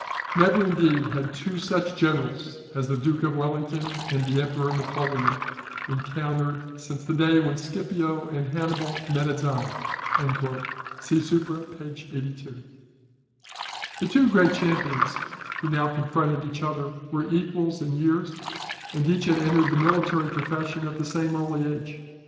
"Never, indeed, had two such generals as the Duke of Wellington and the Emperor Napoleon encountered since the day when Scipio and Hannibal met at Zama." [See SUPRA, p. 82.] The two great champions, who now confronted each other, were equals in years, and each had entered the military profession at the same early age.